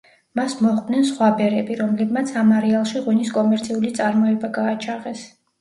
მას მოჰყვნენ სხვა ბერები, რომლებმაც ამ არეალში ღვინის კომერციული წარმოება გააჩაღეს.